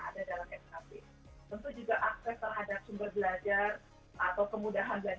tentu juga dengan pemda